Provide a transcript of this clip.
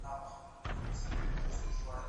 د زده کړې اړوند ستونزې په مشوره حل کېږي.